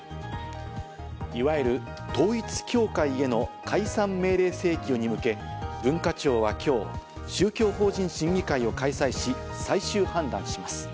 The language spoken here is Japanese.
いわゆる統一教会への解散命令請求に向け、文化庁はきょう、宗教法人審議会を開催し、最終判断します。